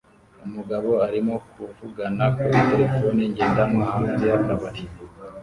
umugabo arimo kuvugana kuri terefone ngendanwa hanze y'akabari